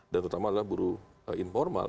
dan terutama adalah buruh informal